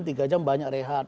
tiga jam banyak rehat